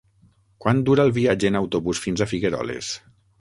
Quant dura el viatge en autobús fins a Figueroles?